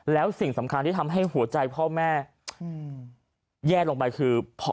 แล้วสิ่งสำคัญที่ทำให้หัวใจพ่อแม่แย่ลงไปคือ